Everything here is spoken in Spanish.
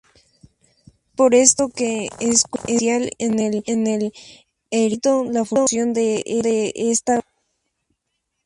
Es por esto que es crucial en el eritrocito la función de esta vía.